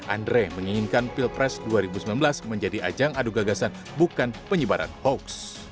andre menginginkan pilpres dua ribu sembilan belas menjadi ajang adu gagasan bukan penyebaran hoax